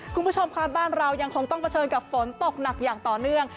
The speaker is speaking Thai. คุณผู้ชมค่ะบ้านเรายังคงต้องเผชิญกับฝนตกหนักอย่างต่อเนื่อง